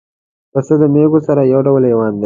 پسه د مېږو سره یو ډول حیوان دی.